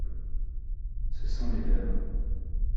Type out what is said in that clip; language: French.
Ce sont les leurs.